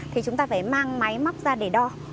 thì chúng ta phải mang máy móc ra để đo